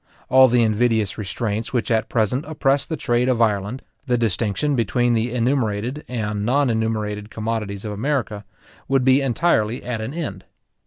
All the invidious restraints which at present oppress the trade of Ireland, the distinction between the enumerated and non enumerated commodities of America, would be entirely at an end.